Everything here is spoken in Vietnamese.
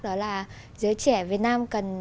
đó là giới trẻ việt nam cần